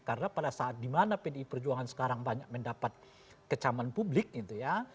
karena pada saat dimana pdi perjuangan sekarang banyak mendapat kecaman publik gitu ya